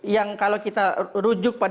yang bisa ditentukan